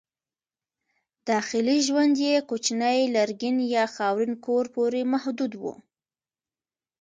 داخلي ژوند یې کوچني لرګین یا خاورین کور پورې محدود و.